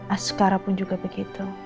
askara pun juga begitu